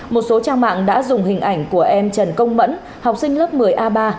một số trang mạng đã dùng hình ảnh của em trần công mẫn học sinh lớp một mươi a ba